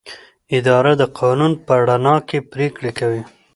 اداره د قانون په رڼا کې پریکړې کوي.